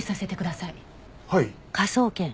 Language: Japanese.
はい。